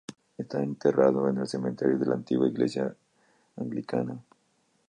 Está enterrado en el cementerio de la antigua iglesia anglicana.